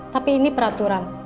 tapi ini peraturan